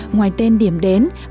ngoài tên điểm đến